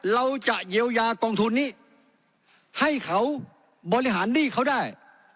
เราจะเยียวยากองทุนนี้ให้เขาบริหารหนี้เขาได้